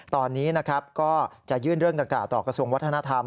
ตอนนี้นะครับก็จะยื่นเรื่องดังกล่าต่อกระทรวงวัฒนธรรม